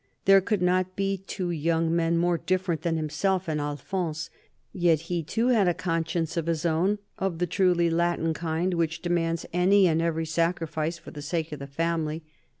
There could not be two young men more different than himself and Alphonse ; yet he too had a conscience of his own, of the truly Latin kind which demands any and every sacrifice for the sake of the family.